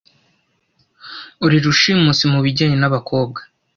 uri rushimusi mubijyanye nabakobwa